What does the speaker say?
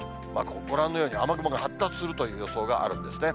ご覧のように、雨雲が発達するという予想があるんですね。